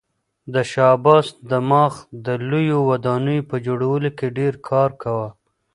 د شاه عباس دماغ د لویو ودانیو په جوړولو کې ډېر کار کاوه.